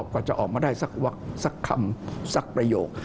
กว่าจะออกมาได้สักคำสักประโยค